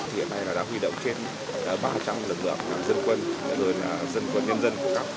hiện nay đã huy động trên ba trăm linh lực lượng dân quân dân quân nhân dân của các thôn bằng tại xã nậm có và xã cao phạ